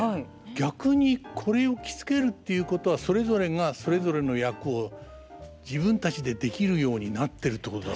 逆にこれを着付けるっていうことはそれぞれがそれぞれの役を自分たちでできるようになってるってことだから。